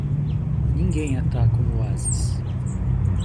Ninguém ataca um oásis.